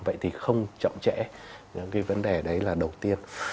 vậy thì không chậm trễ cái vấn đề đấy là đầu tiên